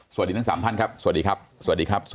สวัสดีทั้งสามท่านครับสวัสดีครับ